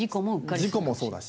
事故もそうだし。